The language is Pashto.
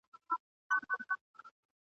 زه او ته به آخر دواړه جنتیان یو ..